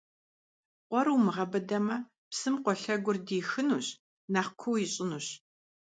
Къуэр умыгъэбыдэмэ, псым къуэ лъэгур дихынущ, нэхъ куу ищӀынущ.